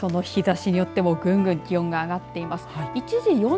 その日ざしによってぐんぐん気温が上がっています。